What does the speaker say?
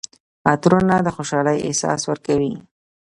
عطرونه د خوشحالۍ احساس ورکوي.